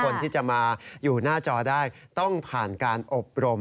คนที่จะมาอยู่หน้าจอได้ต้องผ่านการอบรม